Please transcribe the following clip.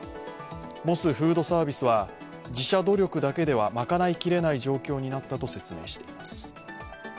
モスフードサービスは、自社努力だけでは賄いきれない状況になったと説明しています。